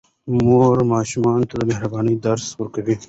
مور ماشومانو ته د مهربانۍ درس ورکوي.